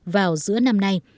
vào giữa năm nay